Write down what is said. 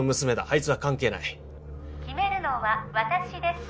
あいつは関係ない決めるのは私です